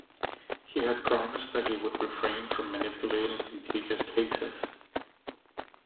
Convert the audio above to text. He had promised that he would refrain from manipulating contagious cases.